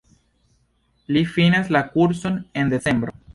Li finas la kurson en decembro.